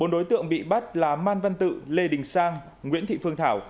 bốn đối tượng bị bắt là man văn tự lê đình sang nguyễn thị phương thảo